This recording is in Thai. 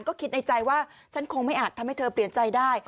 ก็คิดในใจว่าฉันคงไม่อาจทำให้เธอเปลี่ยนใจได้